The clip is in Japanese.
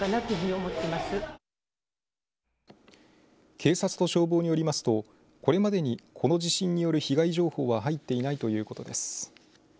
警察と消防によりますとこれまでに、この地震による被害情報は入っていないということです。